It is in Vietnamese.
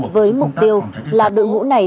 với mục tiêu là đội ngũ này